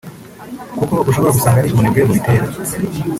kuko ushobora gusanga ari ubunebwe bubitera